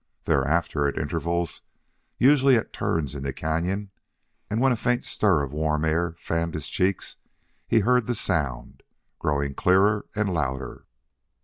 Thereafter, at intervals, usually at turns in the cañon, and when a faint stir of warm air fanned his cheeks, he heard the sound, growing clearer and louder.